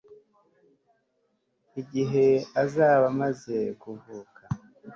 igihe azaba amaze kuvuka